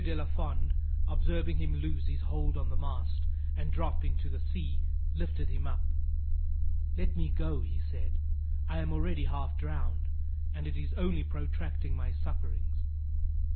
de la Fond observing him lose his hold on the mast, and drop into the sea, lifted him up. "Let me go," said he. "I am already half drowned, and it is only protracting my sufferings."